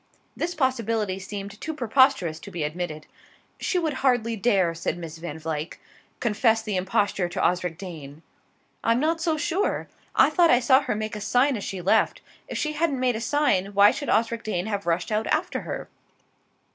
This possibility seemed too preposterous to be admitted. "She would hardly dare," said Miss Van Vluyck, "confess the imposture to Osric Dane." "I'm not so sure: I thought I saw her make a sign as she left. If she hadn't made a sign, why should Osric Dane have rushed out after her?"